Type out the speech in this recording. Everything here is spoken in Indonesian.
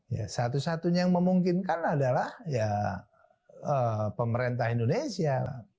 ya satu satunya yang memungkinkan adalah ya pemerintah indonesia